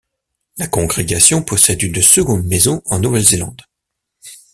La congrégation possède une seconde maison en Nouvelle-Zélande.